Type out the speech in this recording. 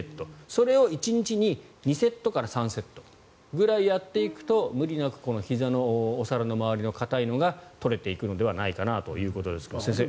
それを１日に２セットから３セットぐらいやっていくと無理なくひざのお皿の周りの硬いのが取れていくのではないかなということですが先生